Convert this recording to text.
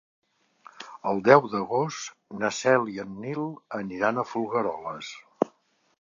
El deu d'agost na Cel i en Nil aniran a Folgueroles.